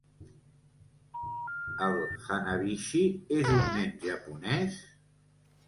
El Hanabishi és un nen japonès?